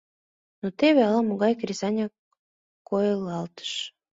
Но теве ала-могай кресаньык койылалтыш.